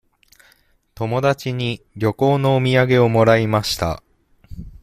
友達に旅行のお土産をもらいました。